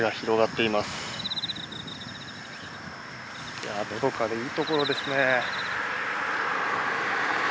いやのどかでいいところですね。